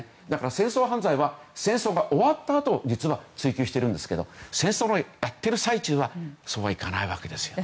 だから戦争犯罪は戦争が終わったあと実は追及しているんですけど戦争をやっている最中はそうはいかないわけです。